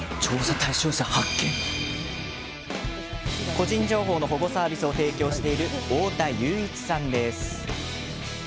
個人情報の保護サービスを提供している太田祐一さんです。